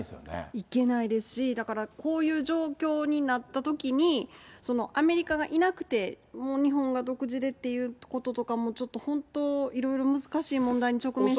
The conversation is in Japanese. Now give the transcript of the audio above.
行けないですし、だから、こういう状況になったときに、アメリカがいなくて、日本が独自でっていうことも、ちょっと本当、いろいろ難しい問題に直面してるなと思います。